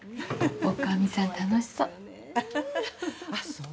女将さん楽しそう。